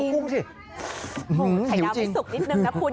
หิวจริงไข่ดาวไม่สุกนิดหนึ่งนะคุณ